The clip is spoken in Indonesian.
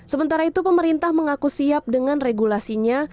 sementara itu pemerintah mengaku siap dengan regulasinya